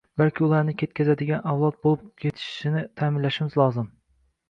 balki ularni ketkazadigan avlod bo‘lib yetishishini ta’minlashimiz lozim.